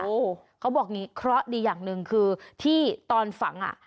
โอ้โหเขาบอกอย่างนี้เคราะห์ดีอย่างหนึ่งคือที่ตอนฝังอ่ะ